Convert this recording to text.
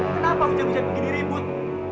kenapa hujan hujan begini ribut